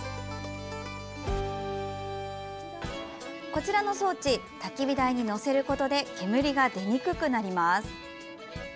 こちらの装置たき火台に載せることで煙が出にくくなります。